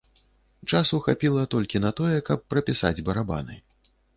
Часу хапіла толькі на тое, каб прапісаць барабаны.